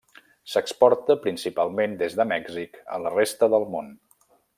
S'exporta principalment des de Mèxic a la resta del món.